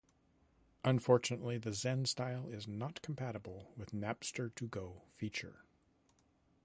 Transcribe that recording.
Unfortunately, the Zen Style is not compatible with Napster-To-Go feature.